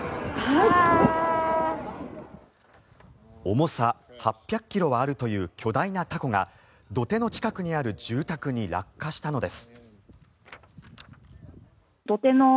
重さ８００ｋｇはあるという巨大な凧が土手の近くにある住宅に落下したのです。